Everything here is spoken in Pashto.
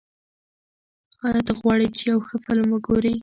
ایا ته غواړې چې یو ښه فلم وګورې؟